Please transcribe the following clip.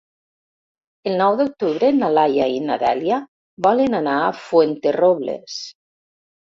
El nou d'octubre na Laia i na Dèlia volen anar a Fuenterrobles.